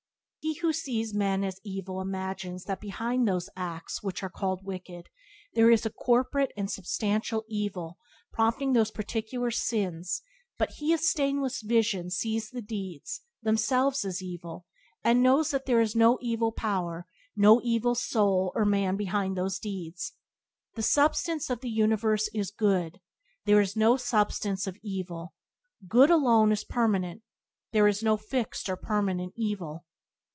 He who sees men as evil imagines that behind those acts which are called "wicked" there is a corporate and substantial evil prompting those particular sins but he of stainless vision sees the deeds, themselves as the evil, and knows that there is no evil power, no evil soul or man behind those deeds. The substance of the universe is good; there is no substance of evil. Good alone is permanent; there is no fixed or permanent evil.